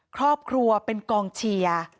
ครอบครัวเป็นกองเชียร์